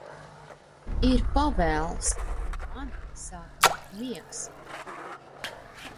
Ir pavēls, un man sāk nākt miegs.